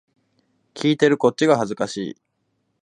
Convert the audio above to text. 聞いてるこっちが恥ずかしい